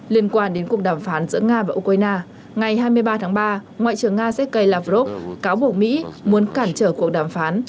liên quan đến cuộc đàm phán giữa nga và ukraine ngày hai mươi ba tháng ba ngoại trưởng nga sergei lavrov cáo buộc mỹ muốn cản trở cuộc đàm phán